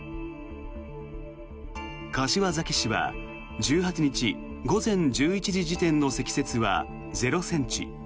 柏崎市は１８日午前１１時時点の積雪は０ｃｍ。